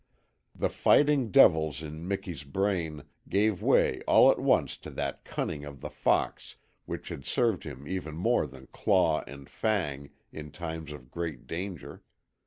The fighting devils in Miki's brain gave way all at once to that cunning of the fox which had served him even more than claw and fang in times of great danger.